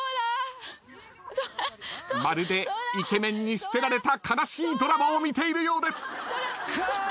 まるでイケメンに捨てられた悲しいドラマを見ているようです。